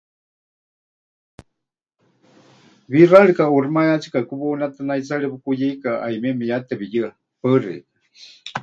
Wixárika ʼuuximayátsika kuwaunétɨ naitsarie pɨkuyeika, ˀayumieme ya tepɨyɨa. Paɨ xeikɨ́a.